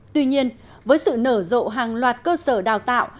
tuy nhiên với sự nở rộ hàng loạt cơ sở đào tạo